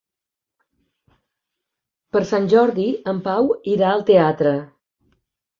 Per Sant Jordi en Pau irà al teatre.